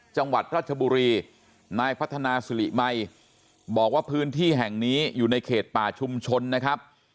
จังหวัดราชบุรีนายพัฒนาสุริมัยบอกว่าพื้นที่แห่งนี้อยู่ในเขตป่าชุมชนนะครับ